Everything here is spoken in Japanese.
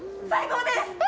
最高です！